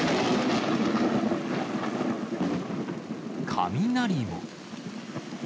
雷も。